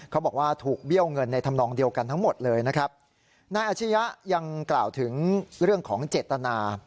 เขาบอกว่าถูกเบี้ยวเงินในธรรมนองเดียวกันทั้งหมดเลยนะครับนายอาชียะยังกล่าวถึงเรื่องของเจตนา